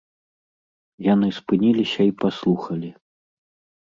Яны спыніліся і паслухалі.